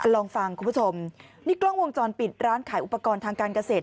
ลองฟังคุณผู้ชมนี่กล้องวงจรปิดร้านขายอุปกรณ์ทางการเกษตร